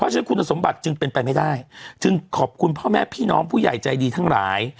จึงขอบคุณพ่อแม่พี่น้องผู้ใหญ่ใจดีทั้งหลาย